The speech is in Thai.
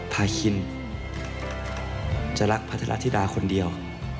พาคินจะรักพัทรธิดาคนเดียว